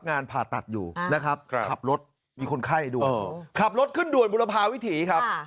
งานผ่าตัดอยู่นะครับขับรถมีคนไข้ด้วยขับรถขึ้นด่วนบุรพาวิถีครับ